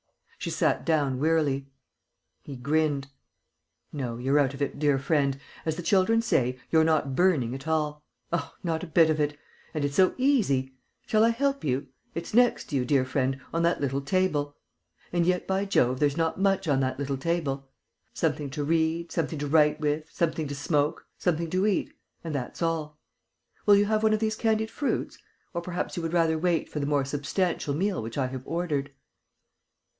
She sat down wearily. He grinned: "No, you're out of it, dear friend. As the children say, you're not 'burning' at all. Oh, not a bit of it! And it's so easy! Shall I help you? It's next to you, dear friend, on that little table.... And yet, by Jove, there's not much on that little table! Something to read, something to write with, something to smoke, something to eat ... and that's all.... Will you have one of these candied fruits?... Or perhaps you would rather wait for the more substantial meal which I have ordered?"